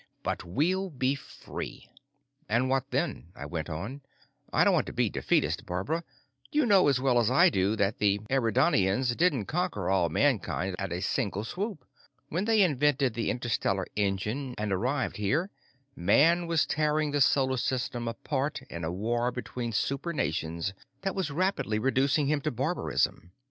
But we'll be free." "And what then?" I went on. "I don't want to be defeatist, Barbara, but you know as well as I do that the Eridanians didn't conquer all mankind at a single swoop. When they invented the interstellar engine and arrived here, man was tearing the Solar System apart in a war between super nations that was rapidly reducing him to barbarism.